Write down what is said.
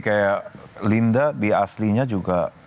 kayak linda di aslinya juga